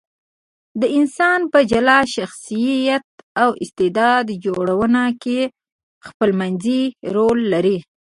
د انسان په جلا شخصیت او استعداد جوړېدنه کې خپلمنځي رول لري.